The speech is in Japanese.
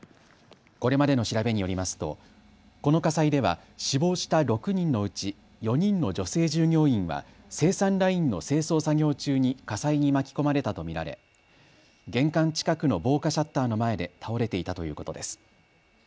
これまでの調べによりますとこの火災では死亡した６人のうち４人の女性従業員は生産ラインの清掃作業中に火災に巻き込まれたと見られ玄関近くの防火シャッターの前で倒れていたということです。